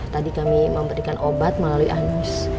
tadi kami memberikan obat melalui anus